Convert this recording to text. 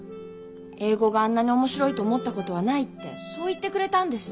英語があんなに面白いと思ったことはないってそう言ってくれたんです。